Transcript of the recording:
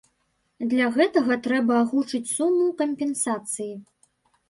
Для гэтага трэба агучыць суму кампенсацыі.